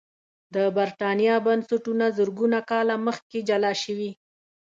د برېټانیا بنسټونه زرګونه کاله مخکې جلا شوي